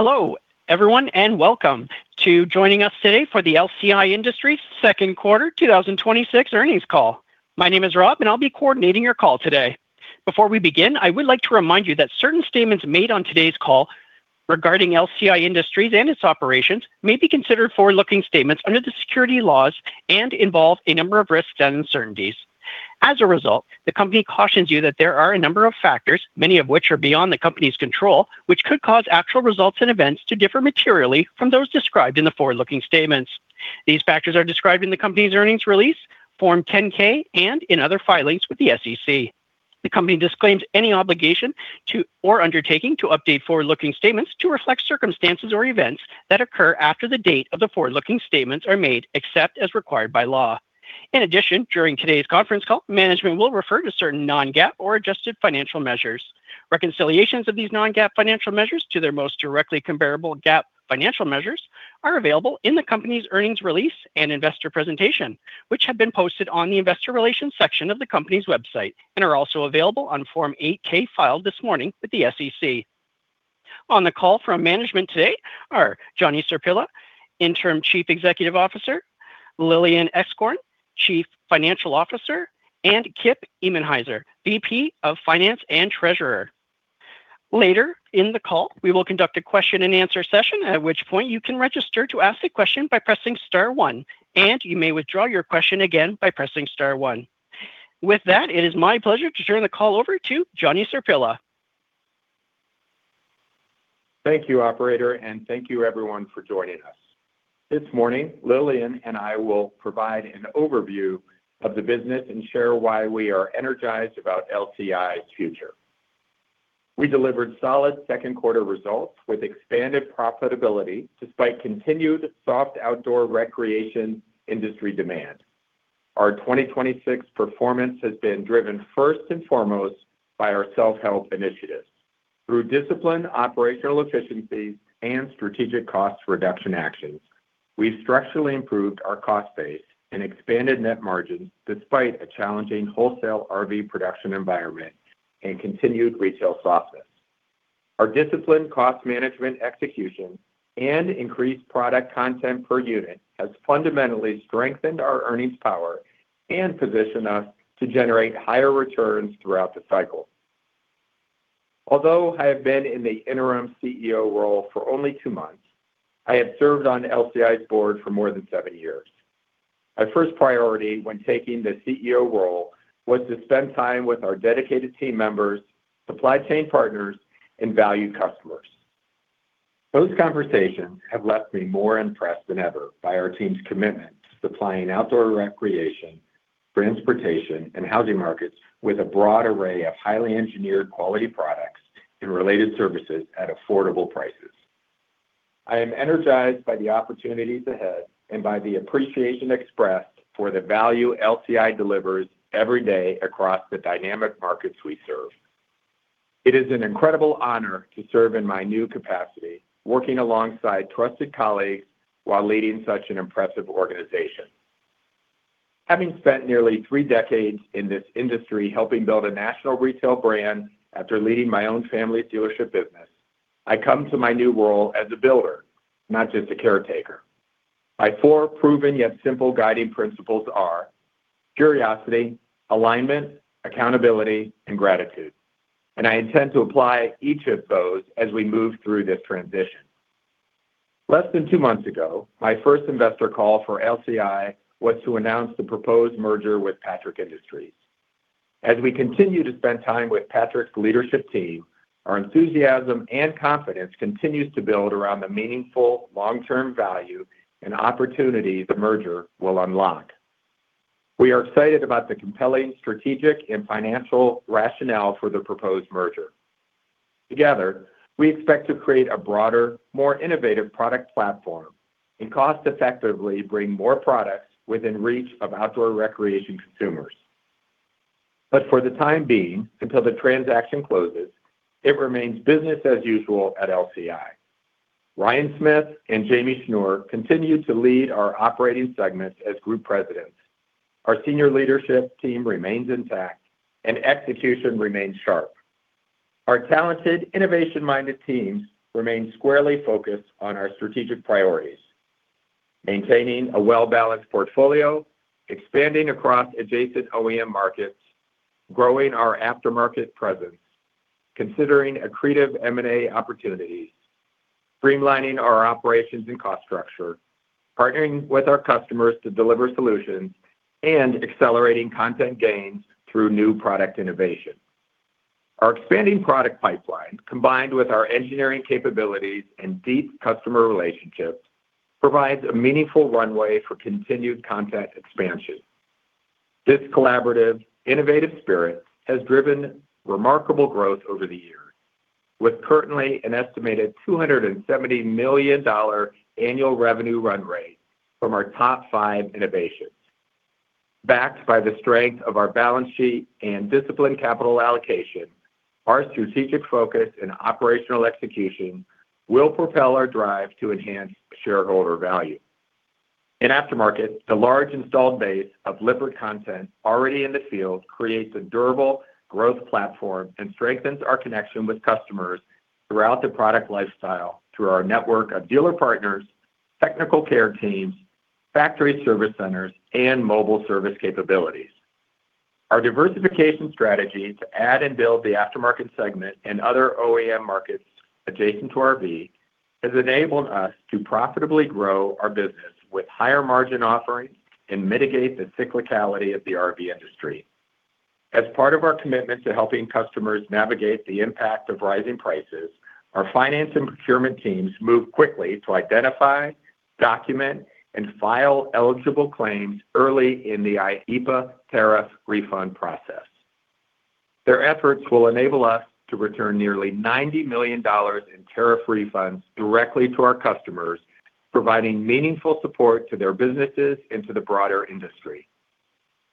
Hello everyone, and welcome to joining us today for the LCI Industries second quarter 2026 earnings call. My name is Rob, and I'll be coordinating your call today. Before we begin, I would like to remind you that certain statements made on today's call regarding LCI Industries and its operations may be considered forward-looking statements under the securities laws and involve a number of risks and uncertainties. As a result, the company cautions you that there are a number of factors, many of which are beyond the company's control, which could cause actual results and events to differ materially from those described in the forward-looking statements. These factors are described in the company's earnings release, Form 10-K, and in other filings with the SEC. The company disclaims any obligation or undertaking to update forward-looking statements to reflect circumstances or events that occur after the date of the forward-looking statements are made, except as required by law. In addition, during today's conference call, management will refer to certain non-GAAP or adjusted financial measures. Reconciliations of these non-GAAP financial measures to their most directly comparable GAAP financial measures are available in the company's earnings release and investor presentation, which have been posted on the investor relations section of the company's website and are also available on Form 8-K filed this morning with the SEC. On the call from management today are Johnny Sirpilla, Interim Chief Executive Officer, Lillian Etzkorn, Chief Financial Officer, and Kip Emenhiser, VP of Finance and Treasurer. Later in the call, we will conduct a question and answer session, at which point you can register to ask the question by pressing star one, and you may withdraw your question again by pressing star one. With that, it is my pleasure to turn the call over to Johnny Sirpilla. Thank you, operator, and thank you everyone for joining us. This morning, Lillian and I will provide an overview of the business and share why we are energized about LCI's future. We delivered solid second quarter results with expanded profitability despite continued soft outdoor recreation industry demand. Our 2026 performance has been driven first and foremost by our self-help initiatives. Through disciplined operational efficiencies and strategic cost reduction actions, we've structurally improved our cost base and expanded net margins despite a challenging wholesale RV production environment and continued retail softness. Our disciplined cost management execution and increased product content per unit has fundamentally strengthened our earnings power and positioned us to generate higher returns throughout the cycle. Although I have been in the Interim CEO role for only two months, I have served on LCI's board for more than seven years. My first priority when taking the CEO role was to spend time with our dedicated team members, supply chain partners, and valued customers. Those conversations have left me more impressed than ever by our team's commitment to supplying outdoor recreation for transportation and housing markets with a broad array of highly engineered quality products and related services at affordable prices. I am energized by the opportunities ahead and by the appreciation expressed for the value LCI delivers every day across the dynamic markets we serve. It is an incredible honor to serve in my new capacity, working alongside trusted colleagues while leading such an impressive organization. Having spent nearly three decades in this industry helping build a national retail brand after leading my own family's dealership business, I come to my new role as a builder, not just a caretaker. My four proven yet simple guiding principles are curiosity, alignment, accountability, and gratitude. I intend to apply each of those as we move through this transition. Less than two months ago, my first investor call for LCI was to announce the proposed merger with Patrick Industries. As we continue to spend time with Patrick's leadership team, our enthusiasm and confidence continues to build around the meaningful long-term value and opportunity the merger will unlock. We are excited about the compelling strategic and financial rationale for the proposed merger. Together, we expect to create a broader, more innovative product platform and cost effectively bring more products within reach of outdoor recreation consumers. For the time being, until the transaction closes, it remains business as usual at LCI. Ryan Smith and Jamie Schnur continue to lead our operating segments as group presidents. Our senior leadership team remains intact and execution remains sharp. Our talented, innovation-minded teams remain squarely focused on our strategic priorities, maintaining a well-balanced portfolio, expanding across adjacent OEM markets, growing our aftermarket presence, considering accretive M&A opportunities, streamlining our operations and cost structure, partnering with our customers to deliver solutions, and accelerating content gains through new product innovation. Our expanding product pipeline, combined with our engineering capabilities and deep customer relationships, provides a meaningful runway for continued content expansion. This collaborative, innovative spirit has driven remarkable growth over the years, with currently an estimated $270 million annual revenue run rate from our top five innovations. Backed by the strength of our balance sheet and disciplined capital allocation, our strategic focus and operational execution will propel our drive to enhance shareholder value. In aftermarket, the large installed base of Lippert content already in the field creates a durable growth platform and strengthens our connection with customers throughout the product lifestyle through our network of dealer partners, technical care teams, factory service centers, and mobile service capabilities. Our diversification strategy to add and build the aftermarket segment and other OEM markets adjacent to RV has enabled us to profitably grow our business with higher margin offerings and mitigate the cyclicality of the RV industry. As part of our commitment to helping customers navigate the impact of rising prices, our finance and procurement teams moved quickly to identify, document, and file eligible claims early in the IEEPA tariff refund process. Their efforts will enable us to return nearly $90 million in tariff refunds directly to our customers, providing meaningful support to their businesses and to the broader industry.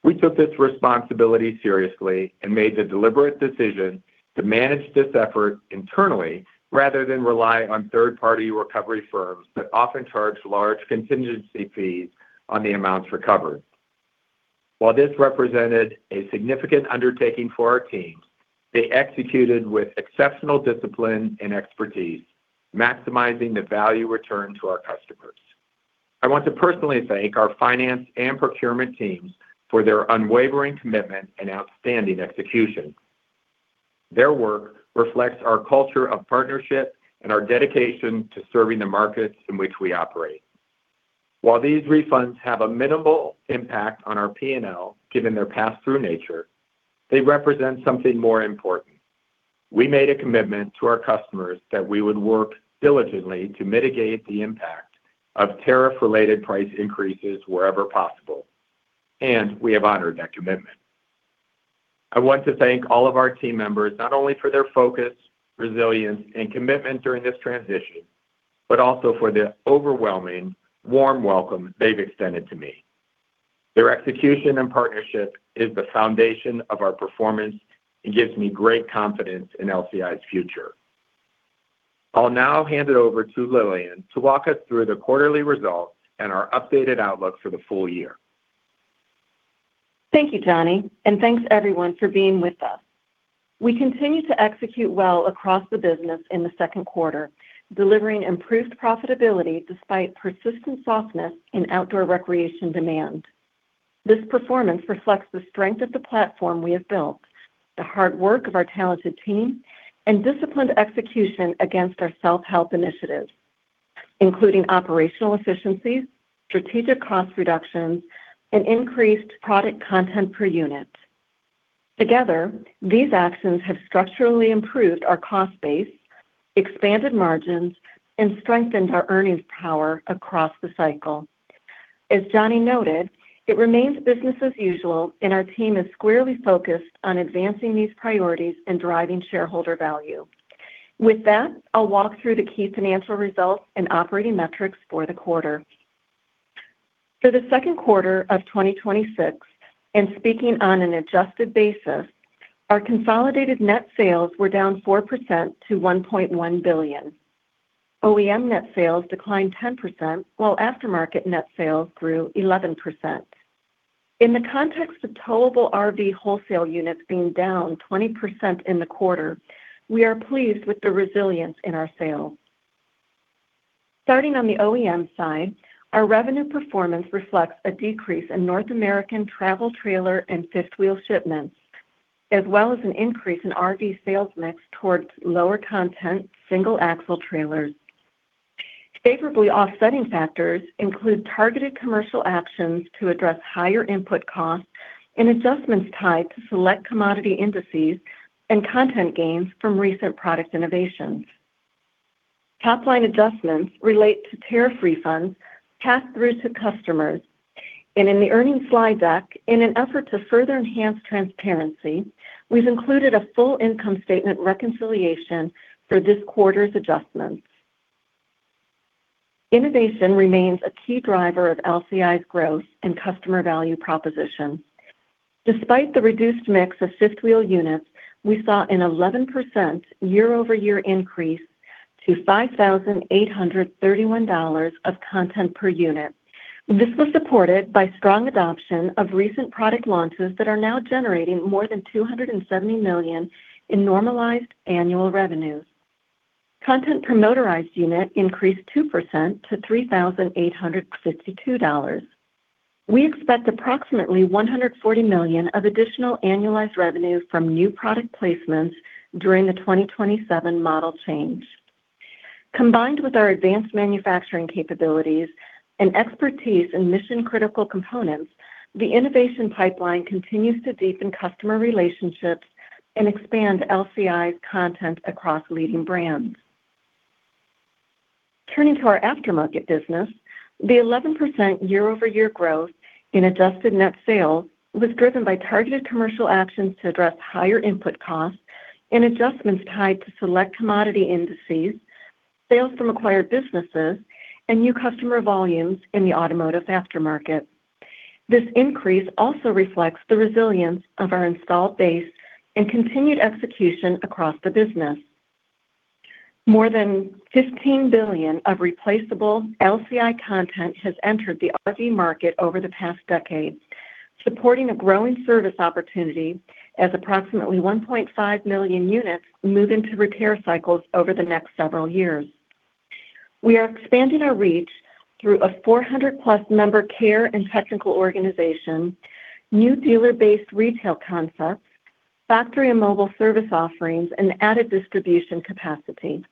We took this responsibility seriously and made the deliberate decision to manage this effort internally rather than rely on third-party recovery firms that often charge large contingency fees on the amounts recovered. While this represented a significant undertaking for our teams, they executed with exceptional discipline and expertise, maximizing the value returned to our customers. I want to personally thank our finance and procurement teams for their unwavering commitment and outstanding execution. Their work reflects our culture of partnership and our dedication to serving the markets in which we operate. While these refunds have a minimal impact on our P&L, given their pass-through nature, they represent something more important. We made a commitment to our customers that we would work diligently to mitigate the impact of tariff-related price increases wherever possible, and we have honored that commitment. I want to thank all of our team members, not only for their focus, resilience, and commitment during this transition, but also for the overwhelming warm welcome they've extended to me. Their execution and partnership is the foundation of our performance and gives me great confidence in LCI's future. I'll now hand it over to Lillian to walk us through the quarterly results and our updated outlook for the full year. Thank you, Johnny. Thanks everyone for being with us. We continue to execute well across the business in the second quarter, delivering improved profitability despite persistent softness in outdoor recreation demand. This performance reflects the strength of the platform we have built, the hard work of our talented team, and disciplined execution against our self-help initiatives, including operational efficiencies, strategic cost reductions, and increased product content per unit. Together, these actions have structurally improved our cost base, expanded margins, and strengthened our earnings power across the cycle. As Johnny noted, it remains business as usual, and our team is squarely focused on advancing these priorities and driving shareholder value. With that, I'll walk through the key financial results and operating metrics for the quarter. For the second quarter of 2026, and speaking on an adjusted basis, our consolidated net sales were down 4% to $1.1 billion. OEM net sales declined 10%, while aftermarket net sales grew 11%. In the context of towable RV wholesale units being down 20% in the quarter, we are pleased with the resilience in our sales. Starting on the OEM side, our revenue performance reflects a decrease in North American travel trailer and fifth-wheel shipments, as well as an increase in RV sales mix towards lower content single-axle trailers. Favorably offsetting factors include targeted commercial actions to address higher input costs and adjustments tied to select commodity indices and content gains from recent product innovations. Top-line adjustments relate to tariff refunds passed through to customers. In the earnings slide deck, in an effort to further enhance transparency, we've included a full income statement reconciliation for this quarter's adjustments. Innovation remains a key driver of LCI's growth and customer value proposition. Despite the reduced mix of fifth-wheel units, we saw an 11% year-over-year increase to $5,831 of content per unit. This was supported by strong adoption of recent product launches that are now generating more than $270 million in normalized annual revenues. Content per motorized unit increased 2% to $3,852. We expect approximately $140 million of additional annualized revenue from new product placements during the 2027 model change. Combined with our advanced manufacturing capabilities and expertise in mission-critical components, the innovation pipeline continues to deepen customer relationships and expand LCI's content across leading brands. Turning to our aftermarket business, the 11% year-over-year growth in adjusted net sales was driven by targeted commercial actions to address higher input costs and adjustments tied to select commodity indices, sales from acquired businesses, and new customer volumes in the automotive aftermarket. This increase also reflects the resilience of our installed base and continued execution across the business. More than $15 billion of replaceable LCI content has entered the RV market over the past decade, supporting a growing service opportunity as approximately 1.5 million units move into repair cycles over the next several years. We are expanding our reach through a 400-plus member care and technical organization, new dealer-based retail concepts, factory and mobile service offerings, and added distribution capacity.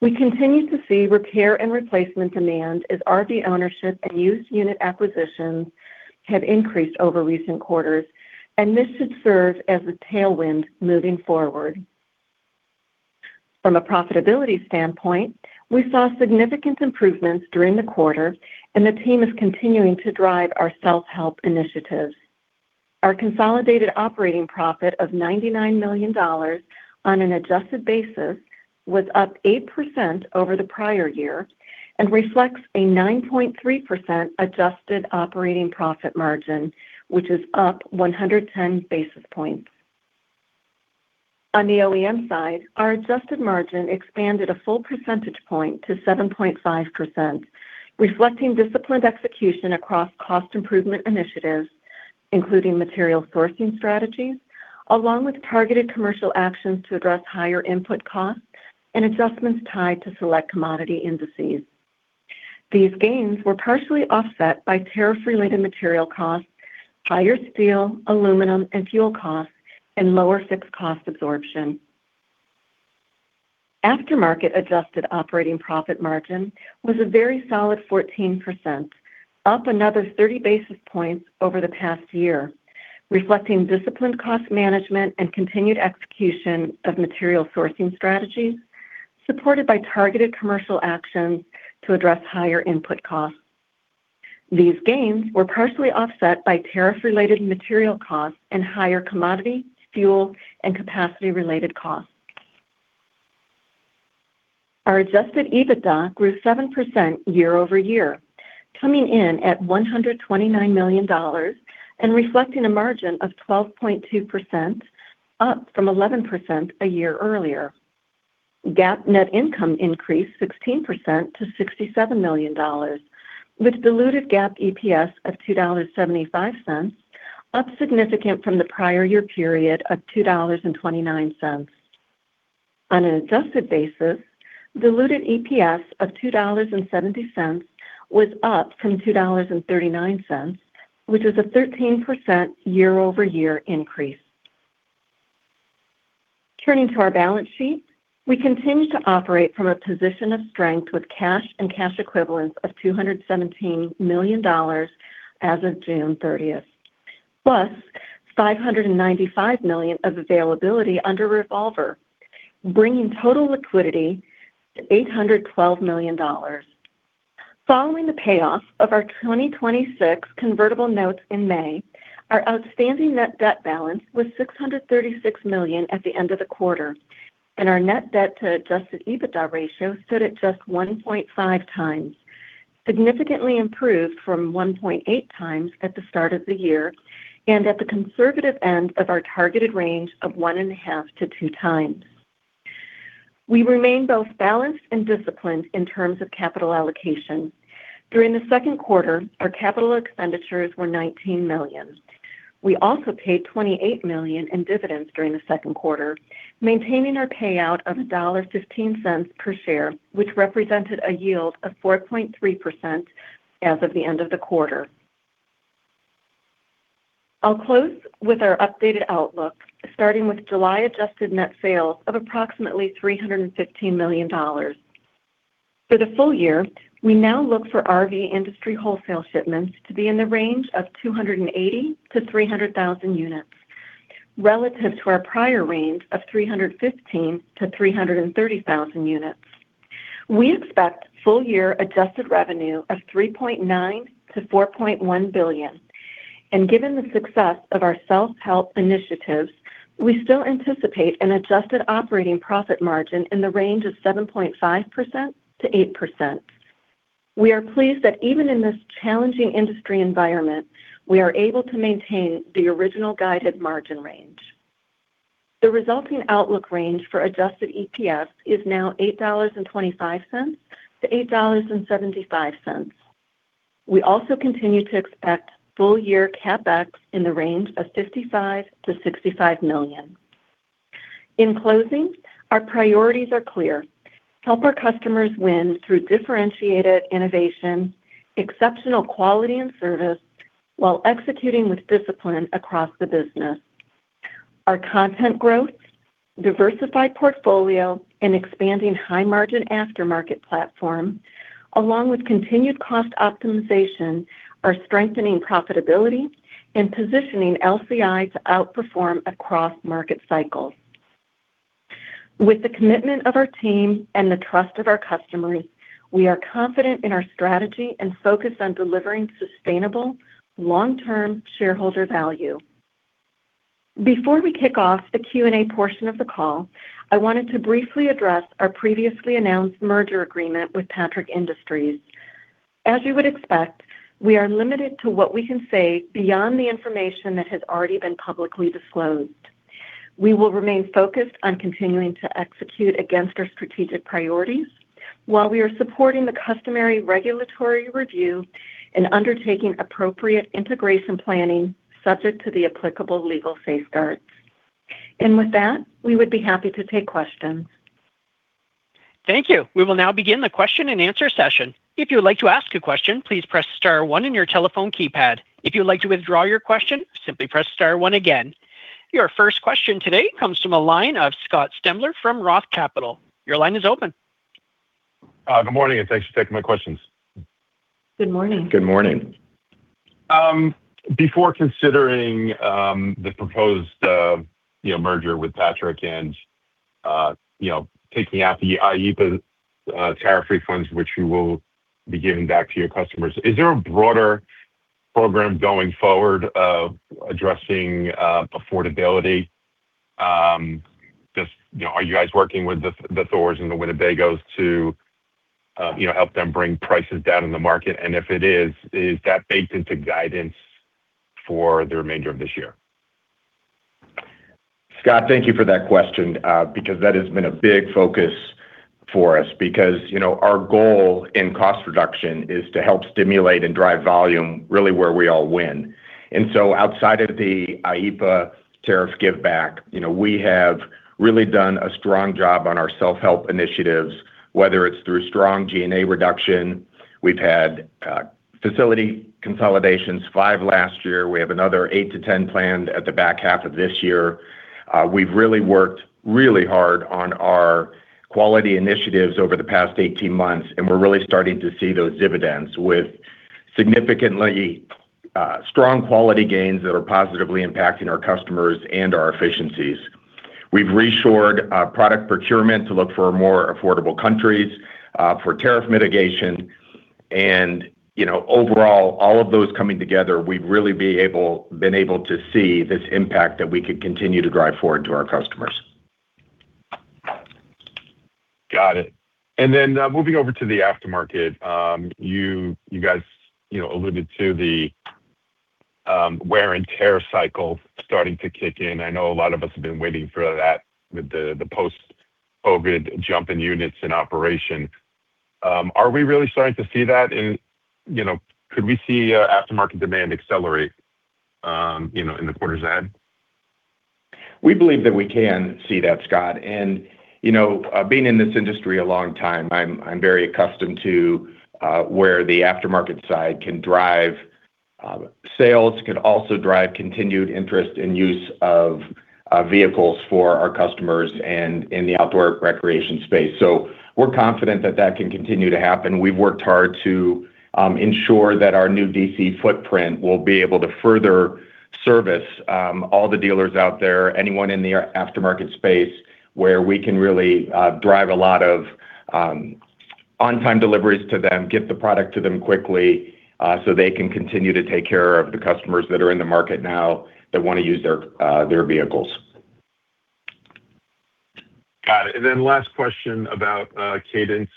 We continue to see repair and replacement demand as RV ownership and used unit acquisitions have increased over recent quarters, and this should serve as a tailwind moving forward. From a profitability standpoint, we saw significant improvements during the quarter, and the team is continuing to drive our self-help initiatives. Our consolidated operating profit of $99 million on an adjusted basis was up 8% over the prior year and reflects a 9.3% adjusted operating profit margin, which is up 110 basis points. On the OEM side, our adjusted margin expanded a full percentage point to 7.5%, reflecting disciplined execution across cost improvement initiatives, including material sourcing strategies, along with targeted commercial actions to address higher input costs and adjustments tied to select commodity indices. These gains were partially offset by tariff-related material costs, higher steel, aluminum, and fuel costs, and lower fixed cost absorption. Aftermarket adjusted operating profit margin was a very solid 14%, up another 30 basis points over the past year, reflecting disciplined cost management and continued execution of material sourcing strategies, supported by targeted commercial actions to address higher input costs. These gains were partially offset by tariff-related material costs and higher commodity, fuel, and capacity-related costs. Our Adjusted EBITDA grew 7% year over year, coming in at $129 million and reflecting a margin of 12.2%, up from 11% a year earlier. GAAP net income increased 16% to $67 million, with diluted GAAP EPS of $2.75, up significant from the prior year period of $2.29. On an adjusted basis, diluted EPS of $2.70 was up from $2.39, which is a 13% year over year increase. Turning to our balance sheet, we continue to operate from a position of strength with cash and cash equivalents of $217 million as of June 30th, plus $595 million of availability under revolver, bringing total liquidity to $812 million. Following the payoff of our 2026 convertible notes in May, our outstanding net debt balance was $636 million at the end of the quarter, and our net debt to Adjusted EBITDA ratio stood at just 1.5 times, significantly improved from 1.8 times at the start of the year, and at the conservative end of our targeted range of one and a half to two times. We remain both balanced and disciplined in terms of capital allocation. During the second quarter, our capital expenditures were $19 million. We also paid $28 million in dividends during the second quarter, maintaining our payout of $1.15 per share, which represented a yield of 4.3% as of the end of the quarter. I'll close with our updated outlook, starting with July adjusted net sales of approximately $315 million. For the full year, we now look for RV industry wholesale shipments to be in the range of 280,000-300,000 units relative to our prior range of 315,000-330,000 units. We expect full year adjusted revenue of $3.9 billion-$4.1 billion. Given the success of our self-help initiatives, we still anticipate an adjusted operating profit margin in the range of 7.5%-8%. We are pleased that even in this challenging industry environment, we are able to maintain the original guided margin range. The resulting outlook range for adjusted EPS is now $8.25-$8.75. We also continue to expect full year CapEx in the range of $55 million-$65 million. In closing, our priorities are clear. Help our customers win through differentiated innovation, exceptional quality, and service while executing with discipline across the business. Our content growth, diversified portfolio, and expanding high-margin aftermarket platform, along with continued cost optimization, are strengthening profitability and positioning LCI to outperform across market cycles. With the commitment of our team and the trust of our customers, we are confident in our strategy and focused on delivering sustainable long-term shareholder value. Before we kick off the Q&A portion of the call, I wanted to briefly address our previously announced merger agreement with Patrick Industries. As you would expect, we are limited to what we can say beyond the information that has already been publicly disclosed. We will remain focused on continuing to execute against our strategic priorities while we are supporting the customary regulatory review and undertaking appropriate integration planning subject to the applicable legal safeguards. With that, we would be happy to take questions. Thank you. We will now begin the question and answer session. If you would like to ask a question, please press star one in your telephone keypad. If you would like to withdraw your question, simply press star one again. Your first question today comes from a line of Scott Stember from Roth Capital. Your line is open. Good morning, and thanks for taking my questions. Good morning. Good morning. Before considering the proposed merger with Patrick and taking out the IEEPA tariff refunds, which we will be giving back to your customers, is there a broader program going forward of addressing affordability? Are you guys working with the Thors and the Winnebagos to help them bring prices down in the market? If it is that baked into guidance for the remainder of this year? Scott, thank you for that question because that has been a big focus for us because our goal in cost reduction is to help stimulate and drive volume really where we all win. Outside of the IEEPA tariff give back, we have really done a strong job on our self-help initiatives, whether it's through strong G&A reduction. We've had facility consolidations, five last year. We have another eight to 10 planned at the back half of this year. We've really worked really hard on our quality initiatives over the past 18 months, and we're really starting to see those dividends with significantly strong quality gains that are positively impacting our customers and our efficiencies. We've reshored product procurement to look for more affordable countries for tariff mitigation and overall, all of those coming together, we've really been able to see this impact that we could continue to drive forward to our customers. Got it. Moving over to the aftermarket. You guys alluded to the wear and tear cycle starting to kick in. I know a lot of us have been waiting for that with the post-COVID jump in units in operation. Are we really starting to see that and could we see aftermarket demand accelerate in the quarters ahead? We believe that we can see that, Scott. Being in this industry a long time, I'm very accustomed to where the aftermarket side can drive sales, can also drive continued interest and use of vehicles for our customers and in the outdoor recreation space. We're confident that that can continue to happen. We've worked hard to ensure that our new DC footprint will be able to further service all the dealers out there, anyone in the aftermarket space where we can really drive a lot of on-time deliveries to them, get the product to them quickly so they can continue to take care of the customers that are in the market now that want to use their vehicles. Got it. Last question about cadence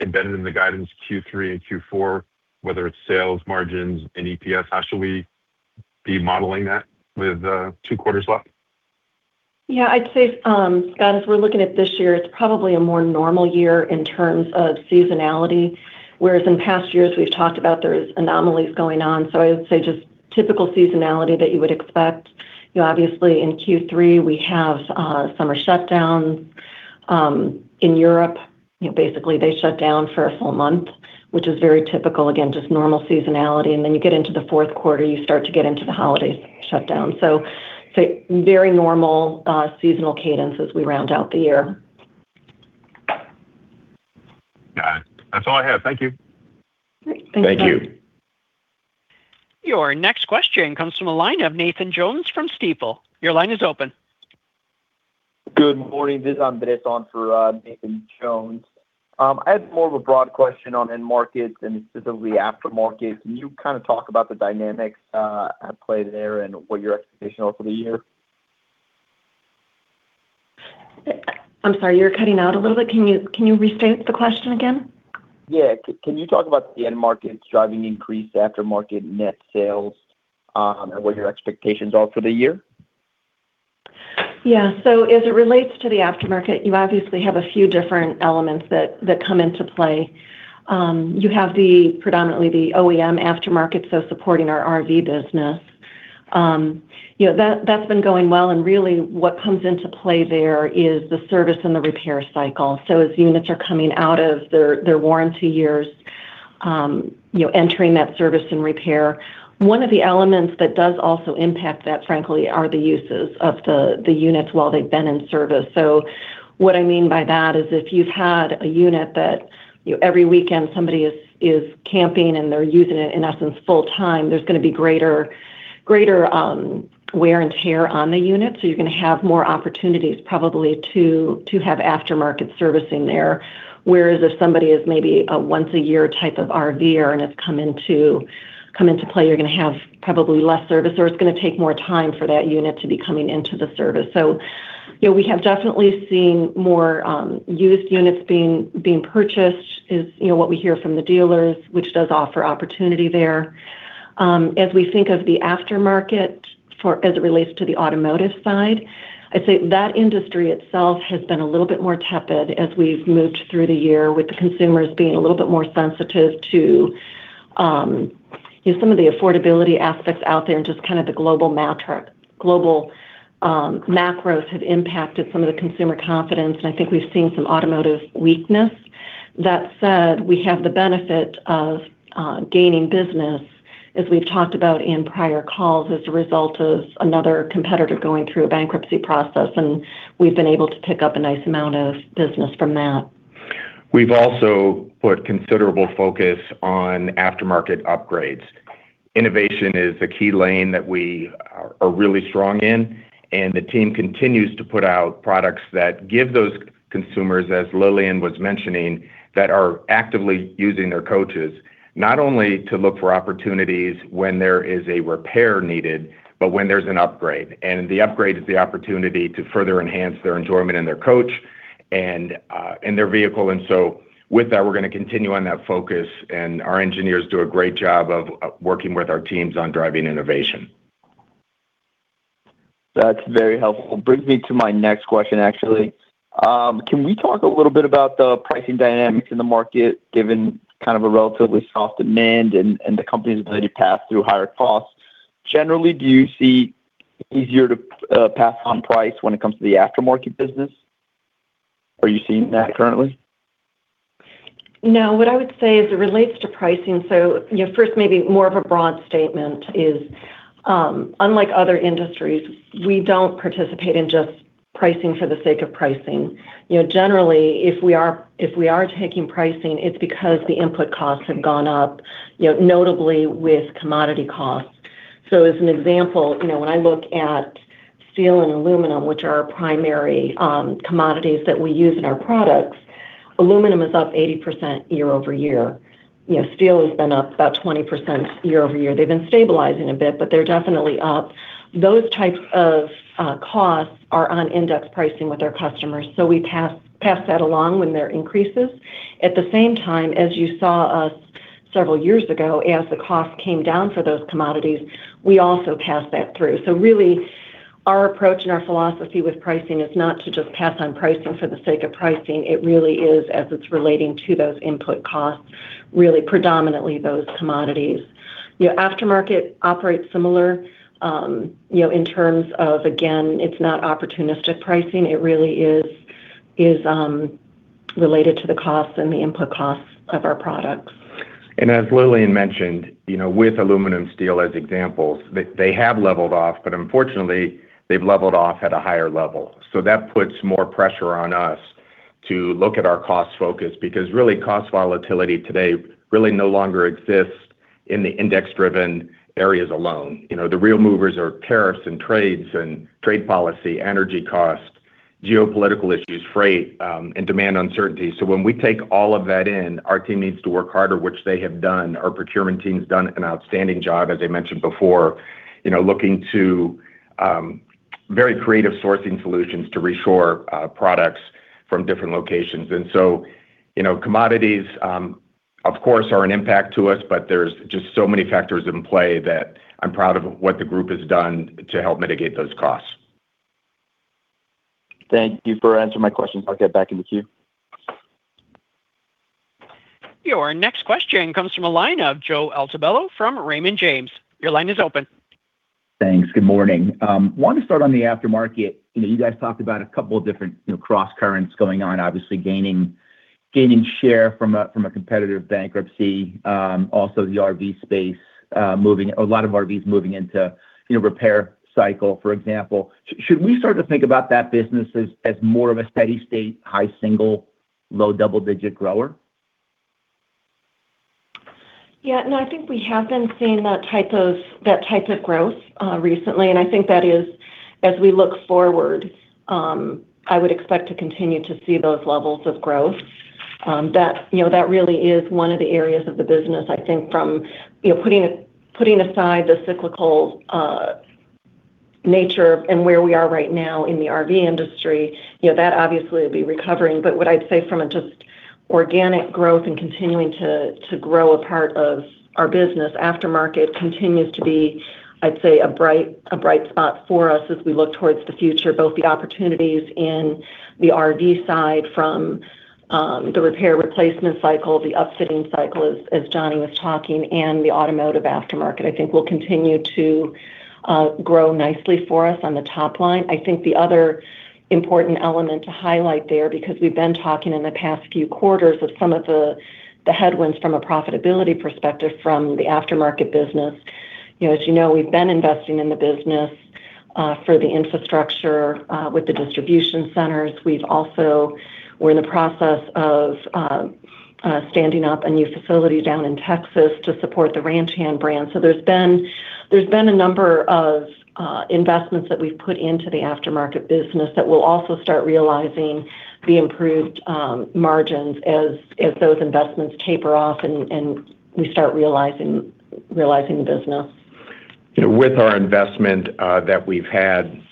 embedded in the guidance, Q3 and Q4, whether it's sales, margins and EPS. How should we be modeling that with two quarters left? Yeah, I'd say, Scott, as we're looking at this year, it's probably a more normal year in terms of seasonality, whereas in past years we've talked about there's anomalies going on. I would say just typical seasonality that you would expect. Obviously, in Q3, we have summer shutdowns. In Europe, basically they shut down for a full month, which is very typical, again, just normal seasonality. You get into the fourth quarter, you start to get into the holiday shutdown. Very normal, seasonal cadence as we round out the year. Got it. That's all I have. Thank you. Great. Thank you. Thank you. Your next question comes from a line of Nathan Jones from Stifel. Your line is open. Good morning. This is Andres on for Nathan Jones. I had more of a broad question on end markets and specifically aftermarket. Can you talk about the dynamics at play there and what your expectations are for the year? I'm sorry, you're cutting out a little bit. Can you restate the question again? Can you talk about the end markets driving increased aftermarket net sales and what your expectations are for the year? As it relates to the aftermarket, you obviously have a few different elements that come into play. You have predominantly the OEM aftermarket, so supporting our RV business. That's been going well and really what comes into play there is the service and the repair cycle. As units are coming out of their warranty years, entering that service and repair. One of the elements that does also impact that, frankly, are the uses of the units while they've been in service. What I mean by that is if you've had a unit that every weekend somebody is camping and they're using it in essence full time, there's going to be greater wear and tear on the unit. You're going to have more opportunities probably to have aftermarket servicing there. Whereas if somebody is maybe a once a year type of RVer and has come into play, you're going to have probably less service, or it's going to take more time for that unit to be coming into the service. We have definitely seen more used units being purchased is what we hear from the dealers, which does offer opportunity there. As we think of the aftermarket as it relates to the automotive side, I'd say that industry itself has been a little bit more tepid as we've moved through the year with the consumers being a little bit more sensitive to some of the affordability aspects out there and just kind of the global macros have impacted some of the consumer confidence. I think we've seen some automotive weakness. That said, we have the benefit of gaining business, as we've talked about in prior calls, as a result of another competitor going through a bankruptcy process, and we've been able to pick up a nice amount of business from that. We've also put considerable focus on aftermarket upgrades. Innovation is a key lane that we are really strong in, the team continues to put out products that give those consumers, as Lillian was mentioning, that are actively using their coaches, not only to look for opportunities when there is a repair needed, but when there's an upgrade. The upgrade is the opportunity to further enhance their enjoyment in their coach and in their vehicle. With that, we're going to continue on that focus, and our engineers do a great job of working with our teams on driving innovation. That's very helpful. Brings me to my next question, actually. Can we talk a little bit about the pricing dynamics in the market, given kind of a relatively soft demand and the company's ability to pass through higher costs? Generally, do you see easier to pass on price when it comes to the aftermarket business? Are you seeing that currently? No, what I would say as it relates to pricing, first maybe more of a broad statement is, unlike other industries, we don't participate in just pricing for the sake of pricing. Generally, if we are taking pricing, it's because the input costs have gone up, notably with commodity costs. As an example, when I look at steel and aluminum, which are our primary commodities that we use in our products, aluminum is up 80% year-over-year. Steel has been up about 20% year-over-year. They've been stabilizing a bit, but they're definitely up. Those types of costs are on index pricing with our customers, so we pass that along when there are increases. At the same time, as you saw us several years ago, as the cost came down for those commodities, we also passed that through. Really, our approach and our philosophy with pricing is not to just pass on pricing for the sake of pricing. It really is as it's relating to those input costs, really predominantly those commodities. Aftermarket operates similar, in terms of, again, it's not opportunistic pricing. It really is related to the costs and the input costs of our products. As Lillian mentioned, with aluminum, steel as examples, they have leveled off, but unfortunately, they've leveled off at a higher level. That puts more pressure on us to look at our cost focus, because really cost volatility today really no longer exists in the index-driven areas alone. The real movers are tariffs and trades and trade policy, energy cost, geopolitical issues, freight, and demand uncertainty. When we take all of that in, our team needs to work harder, which they have done. Our procurement team's done an outstanding job, as I mentioned before, looking to very creative sourcing solutions to reshore products from different locations. Commodities, of course, are an impact to us, but there's just so many factors in play that I'm proud of what the group has done to help mitigate those costs. Thank you for answering my questions. I'll get back in the queue. Your next question comes from a line of Joseph Altobello from Raymond James. Your line is open. Thanks. Good morning. Want to start on the aftermarket. You guys talked about a couple of different cross-currents going on, obviously gaining share from a competitive bankruptcy. Also the RV space, a lot of RVs moving into repair cycle, for example. Should we start to think about that business as more of a steady state, high single, low double-digit grower? Yeah. No, I think we have been seeing that type of growth recently, and I think that is as we look forward, I would expect to continue to see those levels of growth. That really is one of the areas of the business, I think from putting aside the cyclical nature and where we are right now in the RV industry, that obviously will be recovering. What I'd say from a just organic growth and continuing to grow a part of our business, aftermarket continues to be, I'd say, a bright spot for us as we look towards the future. Both the opportunities in the RV side from the repair replacement cycle, the upfitting cycle, as Johnny was talking, and the automotive aftermarket, I think will continue to grow nicely for us on the top line. I think the other important element to highlight there, because we've been talking in the past few quarters of some of the headwinds from a profitability perspective from the aftermarket business. As you know, we've been investing in the business for the infrastructure with the distribution centers. We're in the process of standing up a new facility down in Texas to support the Ranch Hand brand. There's been a number of investments that we've put into the aftermarket business that will also start realizing the improved margins as those investments taper off and we start realizing the business. With our investment that we've had,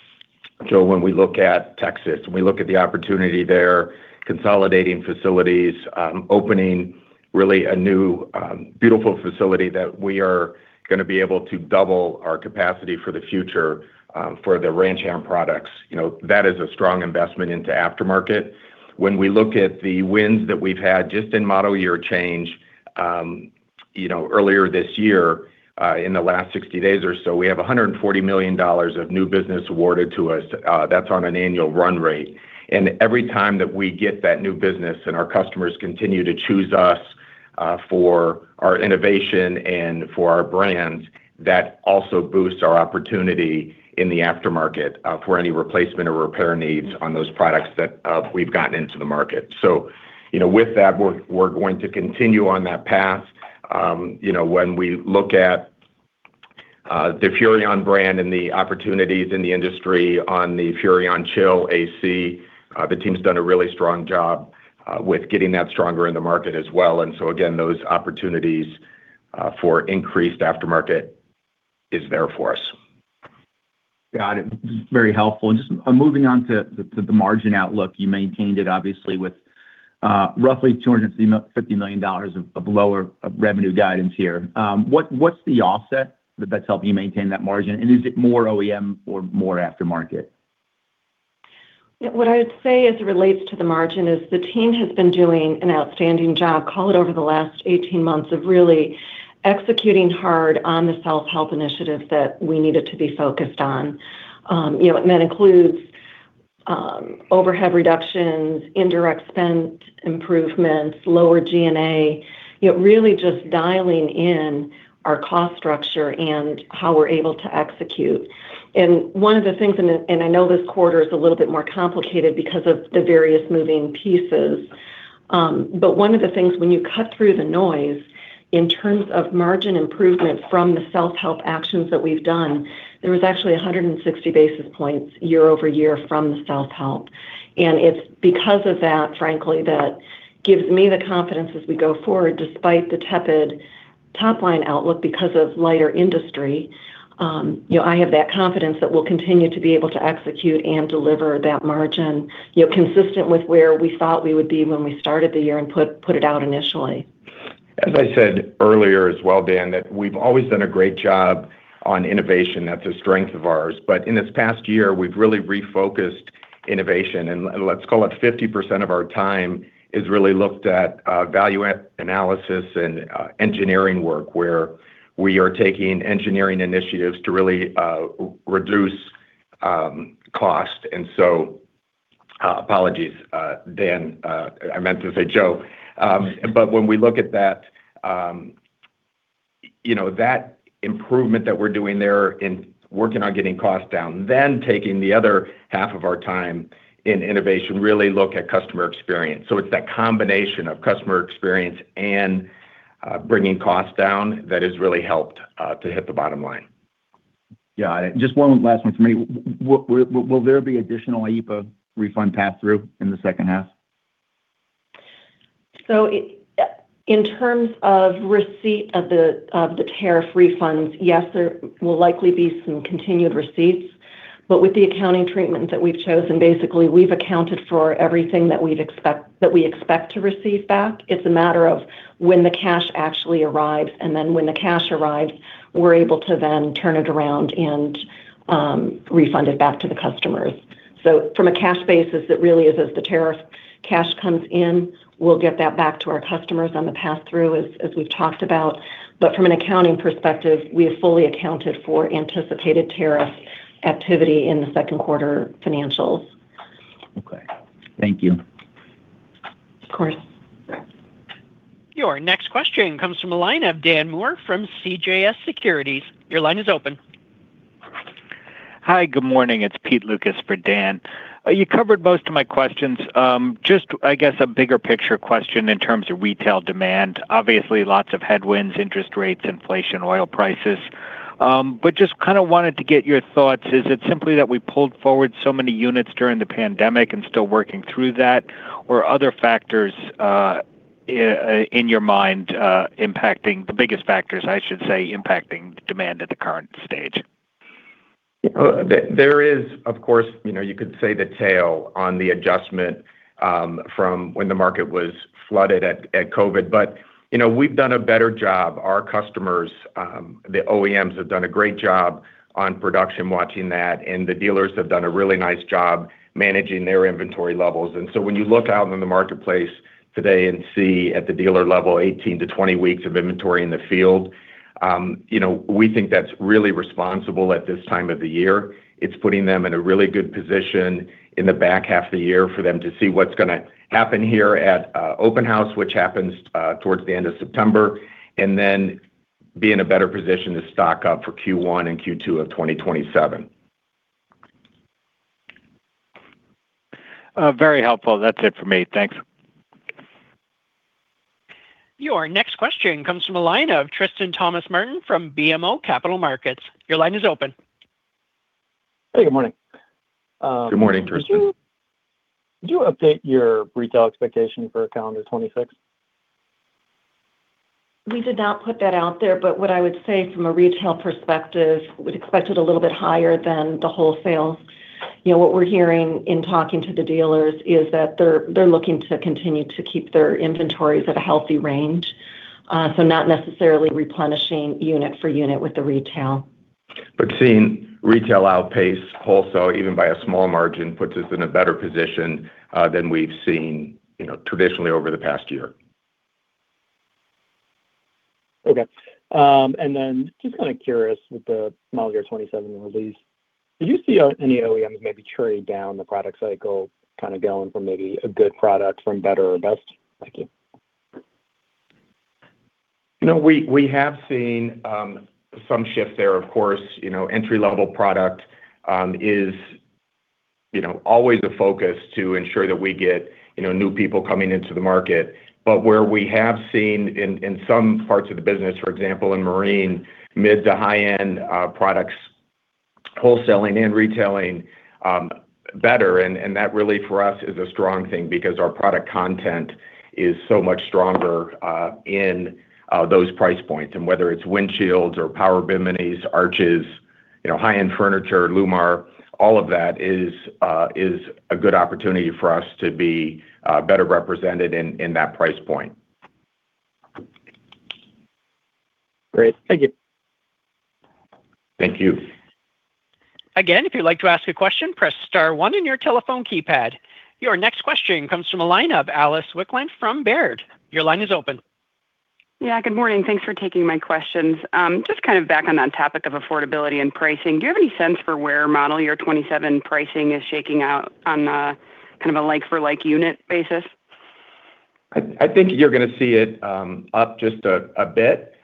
Joe, when we look at Texas, we look at the opportunity there, consolidating facilities, opening really a new, beautiful facility that we are going to be able to double our capacity for the future for the Ranch Hand products. That is a strong investment into aftermarket. When we look at the wins that we've had just in model year change earlier this year, in the last 60 days or so, we have $140 million of new business awarded to us. That's on an annual run rate. Every time that we get that new business and our customers continue to choose us for our innovation and for our brands, that also boosts our opportunity in the aftermarket for any replacement or repair needs on those products that we've gotten into the market. With that, we're going to continue on that path. When we look at the Furrion brand and the opportunities in the industry on the Furrion Chill AC, the team's done a really strong job with getting that stronger in the market as well. Again, those opportunities for increased aftermarket is there for us. Got it. Very helpful. Just moving on to the margin outlook, you maintained it obviously with roughly $250 million of lower revenue guidance here. What's the offset that's helping you maintain that margin? Is it more OEM or more aftermarket? What I would say as it relates to the margin is the team has been doing an outstanding job, call it over the last 18 months, of really executing hard on the self-help initiative that we needed to be focused on. That includes overhead reductions, indirect spend improvements, lower G&A, really just dialing in our cost structure and how we're able to execute. I know this quarter is a little bit more complicated because of the various moving pieces, but one of the things when you cut through the noise in terms of margin improvement from the self-help actions that we've done, there was actually 160 basis points year-over-year from the self-help. It's because of that, frankly, that gives me the confidence as we go forward, despite the tepid top-line outlook because of lighter industry. I have that confidence that we'll continue to be able to execute and deliver that margin consistent with where we thought we would be when we started the year and put it out initially. As I said earlier as well, Dan, that we've always done a great job on innovation. That's a strength of ours. In this past year, we've really refocused innovation, and let's call it 50% of our time is really looked at value analysis and engineering work where we are taking engineering initiatives to really reduce cost. Apologies, Dan, I meant to say Joe. When we look at that improvement that we're doing there in working on getting costs down, then taking the other half of our time in innovation, really look at customer experience. It's that combination of customer experience and bringing costs down that has really helped to hit the bottom line. Yeah. Just one last one for me. Will there be additional IEEPA refund pass-through in the second half? In terms of receipt of the tariff refunds, yes, there will likely be some continued receipts. With the accounting treatment that we've chosen, basically, we've accounted for everything that we expect to receive back. It's a matter of when the cash actually arrives, and then when the cash arrives, we're able to then turn it around and refund it back to the customers. From a cash basis, it really is as the tariff cash comes in, we'll get that back to our customers on the pass-through as we've talked about. From an accounting perspective, we have fully accounted for anticipated tariff activity in the second quarter financials. Okay. Thank you. Of course. Your next question comes from the line of Dan Moore from CJS Securities. Your line is open. Hi, good morning. It's Peter Lukas for Dan. You covered most of my questions. Just, I guess, a bigger picture question in terms of retail demand. Obviously, lots of headwinds, interest rates, inflation, oil prices. Just kind of wanted to get your thoughts. Is it simply that we pulled forward so many units during the pandemic and still working through that? Or other factors in your mind, the biggest factors, I should say, impacting demand at the current stage? There is, of course, you could say the tail on the adjustment from when the market was flooded at COVID. We've done a better job. Our customers, the OEMs, have done a great job on production watching that, and the dealers have done a really nice job managing their inventory levels. When you look out in the marketplace today and see at the dealer level 18-20 weeks of inventory in the field, we think that's really responsible at this time of the year. It's putting them in a really good position in the back half of the year for them to see what's going to happen here at Open House, which happens towards the end of September, and then be in a better position to stock up for Q1 and Q2 of 2027. Very helpful. That's it for me. Thanks. Your next question comes from a line of Tristan Thomas-Martin from BMO Capital Markets. Your line is open. Hey, good morning. Good morning, Tristan. Did you update your retail expectation for calendar 2026? What I would say from a retail perspective, we'd expect it a little bit higher than the wholesale. What we're hearing in talking to the dealers is that they're looking to continue to keep their inventories at a healthy range. Not necessarily replenishing unit for unit with the retail. Seeing retail outpace wholesale, even by a small margin, puts us in a better position than we've seen traditionally over the past year. Okay. Just curious with the model year 2027 release, do you see any OEMs maybe trade down the product cycle, going for maybe a good product from better or best? Thank you. We have seen some shift there. Of course, entry-level product is always a focus to ensure that we get new people coming into the market. Where we have seen in some parts of the business, for example, in marine, mid to high-end products, wholesaling and retailing, better, and that really for us is a strong thing because our product content is so much stronger in those price points. Whether it's windshields or power biminis, arches, high-end furniture, Lippert, all of that is a good opportunity for us to be better represented in that price point. Great. Thank you. Thank you. Again, if you'd like to ask a question, press star one on your telephone keypad. Your next question comes from the line of Alice Wycklendt from Baird. Your line is open. Yeah, good morning. Thanks for taking my questions. Just back on that topic of affordability and pricing, do you have any sense for where model year 2027 pricing is shaking out on a like for like unit basis? I think you're going to see it up just a bit,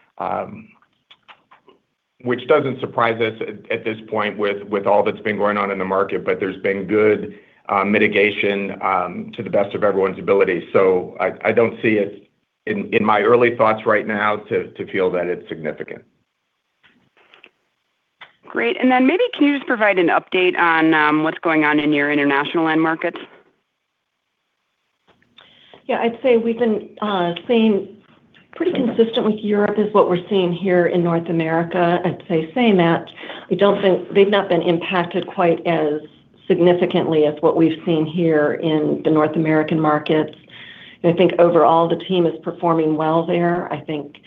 which doesn't surprise us at this point with all that's been going on in the market. There's been good mitigation to the best of everyone's ability. I don't see it in my early thoughts right now to feel that it's significant. Great. Maybe can you just provide an update on what's going on in your international end markets? I'd say we've been seeing pretty consistent with Europe is what we're seeing here in North America. I'd say that, they've not been impacted quite as significantly as what we've seen here in the North American markets. I think overall, the team is performing well there. I think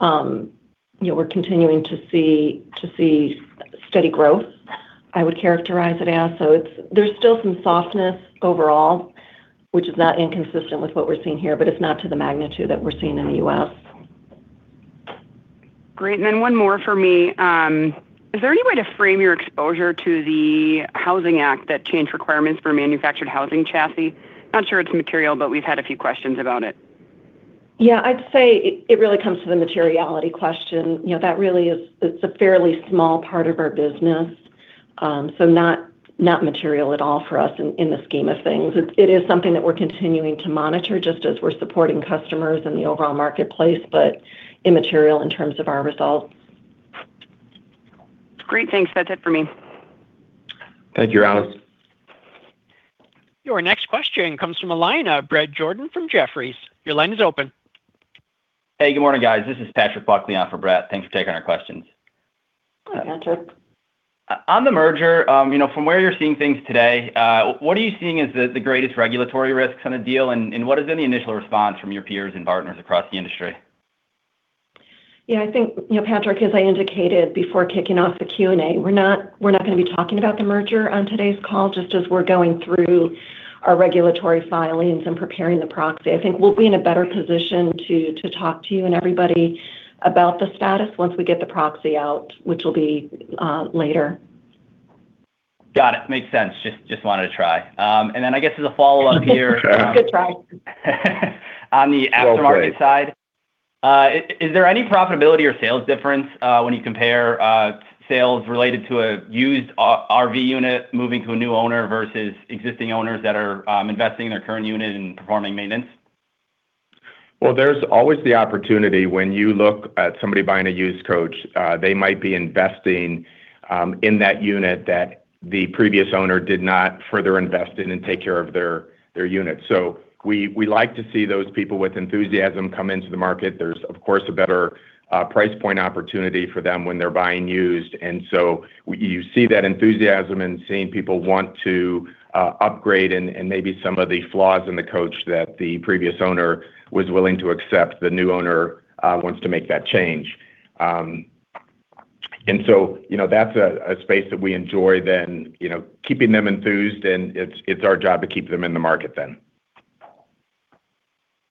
we're continuing to see steady growth, I would characterize it as. There's still some softness overall, which is not inconsistent with what we're seeing here, but it's not to the magnitude that we're seeing in the U.S. Great. One more from me. Is there any way to frame your exposure to the Housing Act that changed requirements for manufactured housing chassis? Not sure it's material, but we've had a few questions about it. I'd say it really comes to the materiality question. That really is a fairly small part of our business. Not material at all for us in the scheme of things. It is something that we're continuing to monitor just as we're supporting customers in the overall marketplace, but immaterial in terms of our results. Great. Thanks. That's it for me. Thank you, Alice. Your next question comes from a line of Bret Jordan from Jefferies. Your line is open. Hey, good morning, guys. This is Patrick Buckley on for Bret. Thanks for taking our questions. Hi, Patrick. On the merger, from where you're seeing things today, what are you seeing as the greatest regulatory risks on the deal, and what has been the initial response from your peers and partners across the industry? Yeah, I think, Patrick, as I indicated before kicking off the Q&A, we're not going to be talking about the merger on today's call, just as we're going through our regulatory filings and preparing the proxy. I think we'll be in a better position to talk to you and everybody about the status once we get the proxy out, which will be later. Got it. Makes sense. Just wanted to try. I guess as a follow-up here. Good try. On the aftermarket side. Well said. Is there any profitability or sales difference when you compare sales related to a used RV unit moving to a new owner versus existing owners that are investing in their current unit and performing maintenance? Well, there's always the opportunity when you look at somebody buying a used coach, they might be investing in that unit that the previous owner did not further invest in and take care of their unit. We like to see those people with enthusiasm come into the market. There's, of course, a better price point opportunity for them when they're buying used. You see that enthusiasm and seeing people want to upgrade and maybe some of the flaws in the coach that the previous owner was willing to accept, the new owner wants to make that change. That's a space that we enjoy then, keeping them enthused, and it's our job to keep them in the market then.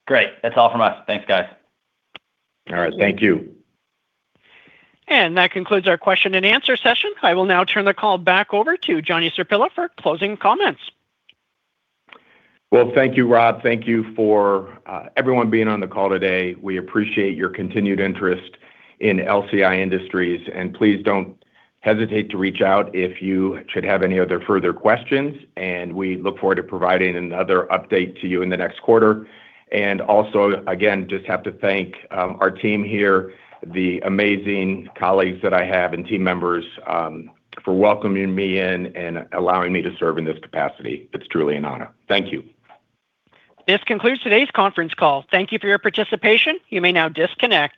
Great. That's all from us. Thanks, guys. All right. Thank you. That concludes our question and answer session. I will now turn the call back over to Johnny Sirpilla for closing comments. Well, thank you, Rob. Thank you for everyone being on the call today. We appreciate your continued interest in LCI Industries, and please don't hesitate to reach out if you should have any other further questions, and we look forward to providing another update to you in the next quarter. Also, again, just have to thank our team here, the amazing colleagues that I have and team members, for welcoming me in and allowing me to serve in this capacity. It's truly an honor. Thank you. This concludes today's conference call. Thank you for your participation. You may now disconnect.